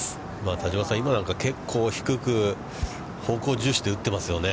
田島さん、今なんか結構低く、方向重視で打ってますよね。